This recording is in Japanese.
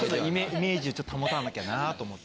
イメージちょっと保たなきゃなと思って。